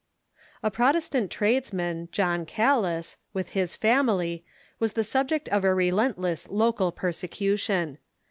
A Protestant tradesman, John Calas, with his family, was the subject of a relentless local persecution.